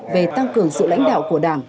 về tăng cường sự lãnh đạo của đảng